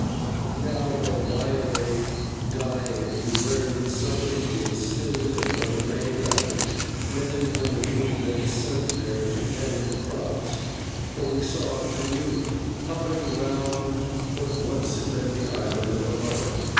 Now while Maya lay dying we learned that some Indians still lived on the mainland, men and women who had been sent there to tend the crops, for we saw a canoe hovering round what once had been the Island of the Heart.